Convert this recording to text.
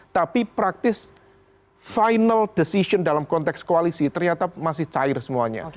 tapi praktis final decision dalam konteks koalisi ternyata masih cair semuanya